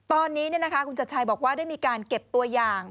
ตอนนี้คุณจัดชัยบอกว่าได้มีการเก็บตัวอย่าง